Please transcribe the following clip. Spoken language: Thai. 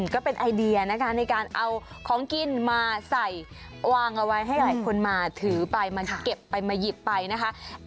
ก็เป็นไอเดียนะคะในการเอาของกินมาใส่วางเอาไว้ให้หลายคนมาถือไปมาเก็บไปมาหยิบไปนะคะ